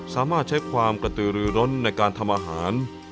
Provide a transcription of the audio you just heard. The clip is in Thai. สามารถใช้ความกระตือรือร้นในการทำอาหาร